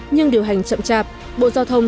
nhưng điều hành chậm chạp bộ giao thông